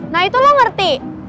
nah itu lo ngerti